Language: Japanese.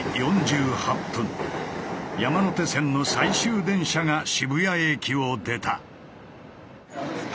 山手線の最終電車が渋谷駅を出た。